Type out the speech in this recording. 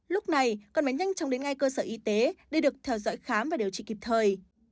lúc này cần phải nhanh chóng đến ngay cơ sở y tế để được theo dõi khám và điều trị kịp thời